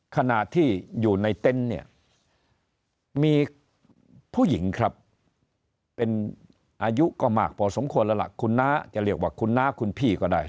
ขณะที่อยู่ในเต็นต์เนี่ยมีผู้หญิงครับเป็นอายุก็มากพอสมควรแล้วล่ะคุณน้าจะเรียกว่าคุณน้าคุณพี่ก็ได้